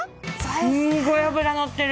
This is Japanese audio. すんごい脂載ってる。